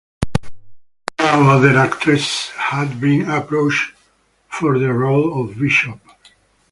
No other actresses had been approached for the role of Bishop.